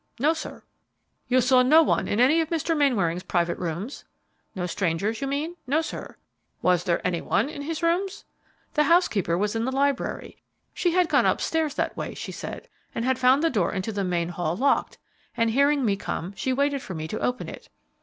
"No, sir." "You saw no one in any of Mr. Mainwaring's private rooms?" "No strangers, you mean? No, sir." "Was there any one in his rooms?" "The housekeeper was in the library. She had gone up stairs that way, she said, and had found the door into the main hall locked, and hearing me come, she waited for me to open it."